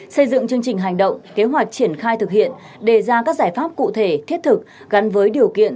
xây dựng chương trình hành động kế hoạch triển khai thực hiện đề ra các giải pháp cụ thể thiết thực gắn với điều kiện